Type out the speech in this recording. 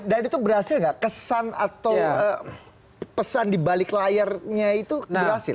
dan itu berhasil nggak kesan atau pesan dibalik layarnya itu berhasil